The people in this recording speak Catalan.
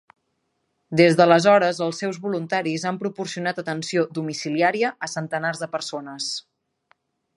Des d'aleshores, els seus voluntaris han proporcionat atenció domiciliària a centenars de persones.